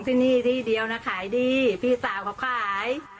ที่นี่ที่เดียวนะขายดีพี่สาวเขาขาย